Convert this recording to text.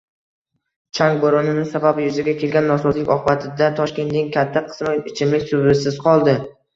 Chang bo‘roni sabab yuzaga kelgan nosozlik oqibatida Toshkentning katta qismi ichimlik suvisiz qoldi